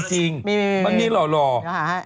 คุณหมอโดนกระช่าคุณหมอโดนกระช่า